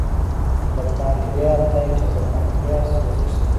د پانکریاتایټس د پانکریاس سوزش دی.